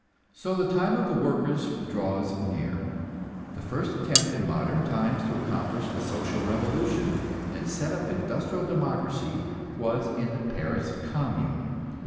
So the time of the workers draws near. The first attempt in modern times to accomplish the social revolution and set up industrial democracy was in the Paris Commune.